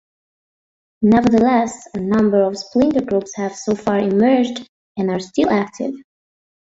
Nevertheless, a number of splinter groups have so far emerged and are still active.